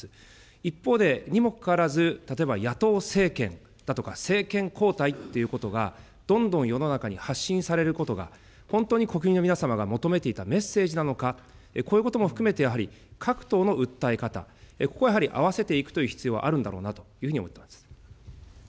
一方で、にもかかわらず、例えば野党政権だとか、政権交代っていうことが、どんどん世の中に発信されることが、本当に国民の皆様が求めていたメッセージなのか、こういうことも含めて、やはり各党の訴え方、ここはやはり合わせていくという必要はあるんだろうなというふうに思っています。